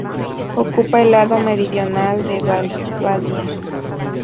Ocupa el lado meridional de Val Badia.